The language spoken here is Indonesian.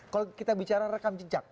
kalau kita bicara rekam jejak